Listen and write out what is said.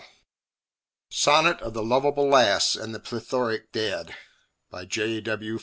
SONNET OF THE LOVABLE LASS AND THE PLETHORIC DAD BY J.W.